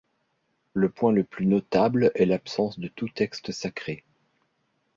Le point le plus notable est l'absence de tout texte sacré.